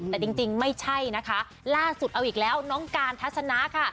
แต่จริงไม่ใช่นะคะล่าสุดเอาอีกแล้วน้องการทัศนะค่ะ